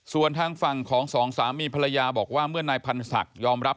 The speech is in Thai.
ส่วนทางฝั่งของสองสามีภรรยาบอกว่าเมื่อนายพันศักดิ์ยอมรับ